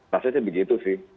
pasalnya sih begitu sih